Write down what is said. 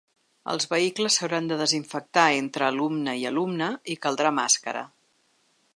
Els vehicles s’hauran de desinfectar entre alumne i alumne i caldrà màscara.